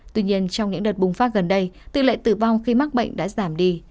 tuy nhiên trong những đợt bùng phát gần đây tỷ lệ tử vong khi mắc bệnh đã giảm đi